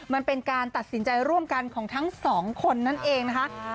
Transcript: มันเป็นการตัดสินใจร่วมกันของทั้งสองคนนั่นเองนะคะ